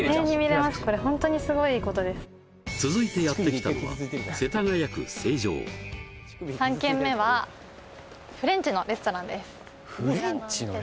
これ続いてやって来たのは世田谷区成城フレンチのレストラン